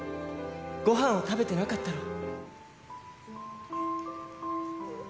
ごはんを食べてなかったろう。